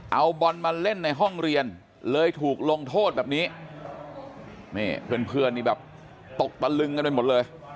เอาบอลมาเล่นในห้องเรียนเลยถูกลงโทษแบบนี้นี่เพื่อนเพื่อนนี่แบบตกตะลึงกันไปหมดเลย